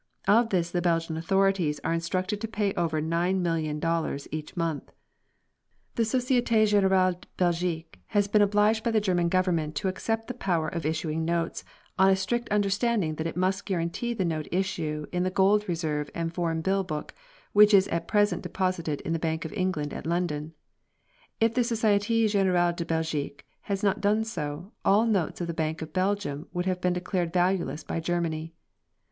Of this the Belgian authorities are instructed to pay over nine million dollars each month. The Société Générale de Belgique has been obliged by the German Government to accept the power of issuing notes, on a strict understanding that it must guarantee the note issue on the gold reserve and foreign bill book, which is at present deposited in the Bank of England at London. If the Société Générale de Belgique had not done so, all notes of the Bank of Belgium would have been declared valueless by Germany.